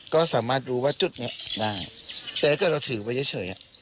ก็สามารถรู้ว่าจุดเนี่ยได้แต่ก็เราถือไว้เฉย